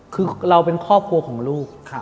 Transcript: คือเราเป็นครอบครัวของลูก